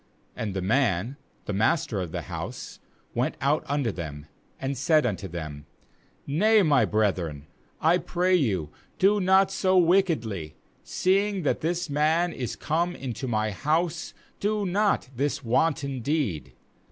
23And the man, the master of the house, went out unto them, and said unto them: 'Nay, my brethren, I pray you, do not so wickedly; seeing that this man is come into my house, do not this wanton deed.